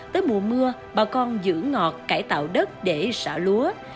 tới mùa mưa bà con giữ ngọt cải tạo đất để xả lúa